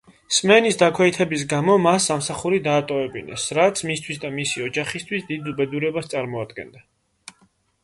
სმენის დაქვეითების გამო მას სამსახური დაატოვებინეს, რაც მისთვის და მისი ოჯახისთვის დიდ უბედურებას წარმოადგენდა.